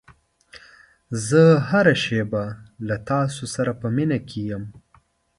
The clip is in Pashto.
زه هره شېبه له تا سره په مینه کې یم.